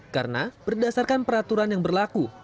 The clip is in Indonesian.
karena berdasarkan peraturan yang berlaku